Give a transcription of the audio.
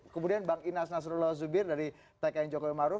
kemudian bang inas nasrullah zubir dari tkn jokowi maruf